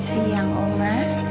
selamat siang oma